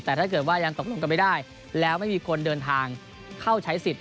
แต่ถ้าเกิดว่ายังตกลงกันไม่ได้แล้วไม่มีคนเดินทางเข้าใช้สิทธิ